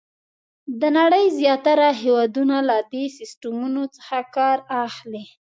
د نړۍ زیاتره هېوادونه له دې سیسټمونو څخه کار اخلي.